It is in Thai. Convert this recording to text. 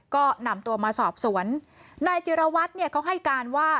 ก็นำตัวมาสอบสวนนายจิรวัตรเนี่ยเขาให้การว่า